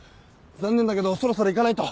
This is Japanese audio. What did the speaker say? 残念だけどそろそろ行かないと。